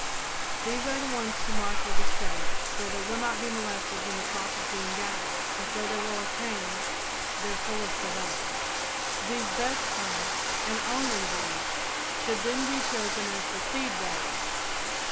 These are the ones to mark with a stake so they will not be molested when the crop is being gathered and so they will attain their fullest development. These best plants, and only these, should then be chosen as the seed bearers.